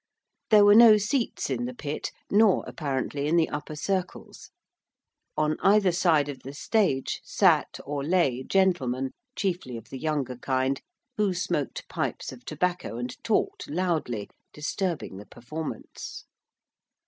There were no seats in the pit, nor apparently in the upper circles. On either side of the stage sat or lay gentlemen, chiefly of the younger kind, who smoked pipes of tobacco and talked loudly, disturbing the performance.